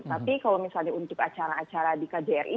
tapi kalau misalnya untuk acara acara di kjri